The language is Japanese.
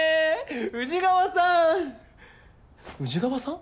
宇治川さん宇治川さん？